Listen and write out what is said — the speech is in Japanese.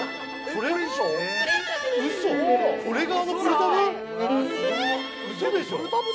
これがあのプルタブ。